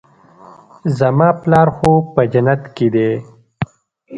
زما پلار خو په جنت کښې دى.